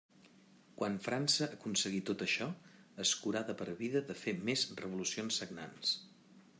Quan França aconseguí tot això, es curà de per vida de fer més revolucions sagnants.